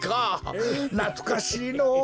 なつかしいのぉ！